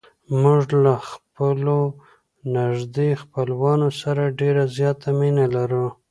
موږ له خپلو نږدې خپلوانو سره ډېره زیاته مینه لرو.